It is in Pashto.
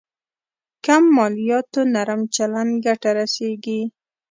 کم مالياتو نرم چلند ګټه رسېږي.